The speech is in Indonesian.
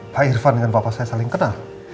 pak irfan dengan bapak saya saling kenal